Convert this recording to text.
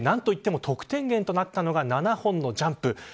何と言っても得点源となったのが７本のジャンプ。